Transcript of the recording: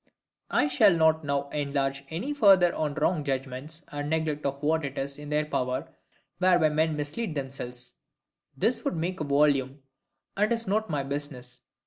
I shall not now enlarge any further on the wrong judgments and neglect of what is in their power, whereby men mislead themselves. This would make a volume, and is not my business.